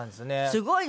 すごい！